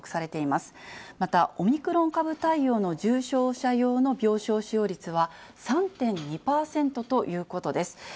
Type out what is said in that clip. また、オミクロン株対応の重症者用の病床使用率は３．２％ということです。